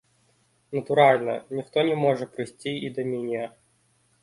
Натуральна, ніхто не можа прыйсці і да мяне.